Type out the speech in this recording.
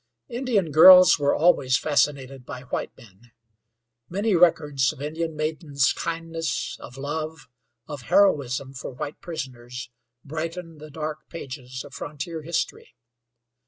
Indian girls were always fascinated by white men. Many records of Indian maidens' kindness, of love, of heroism for white prisoners brighten the dark pages of frontier history.